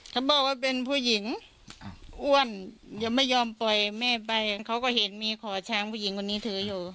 ถ้าบอกว่าเป็นผู้หญิงอ้วนยังไม่ยอมปล่อยแม่ไปเขาก็เห็นมีขอช้างผู้หญิงคนนี้ถืออยู่